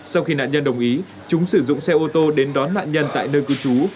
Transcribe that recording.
sau khi nạn nhân đồng ý chúng sử dụng xe ô tô đến đón nạn nhân tại nơi cư trú